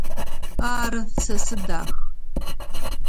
Ары, сэ сыдах.